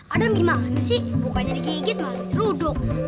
adam gimana sih bukannya digigit malah seruduk